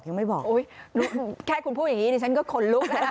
โอ้ยแค่คุณพูดอย่างนี้ฉันก็ขนลุก